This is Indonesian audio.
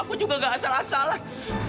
aku juga gak asal asalan